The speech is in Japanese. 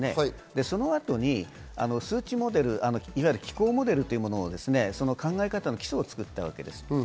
そのあとに数値モデル、いわゆる気候モデルというものの考え方の基礎を作ったわけです。